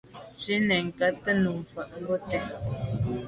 Nzwe nesagte num mfà ngokèt.